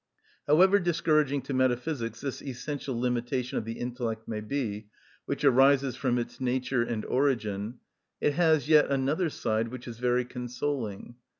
However discouraging to metaphysics this essential limitation of the intellect may be, which arises from its nature and origin, it has yet another side which is very consoling.